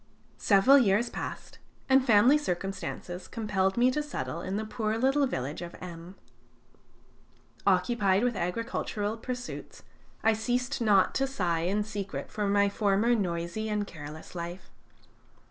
Several years passed, and family circumstances compelled me to settle in the poor little village of M . Occupied with agricultural pursuits, I ceased not to sigh in secret for my former noisy and careless life.